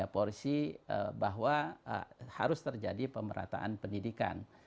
porsi bahwa harus terjadi pemerataan pendidikan